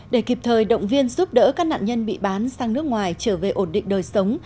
để kịp thời động viên giúp đỡ các nạn nhân bị bán sang nước ngoài trở về ổn định đời sống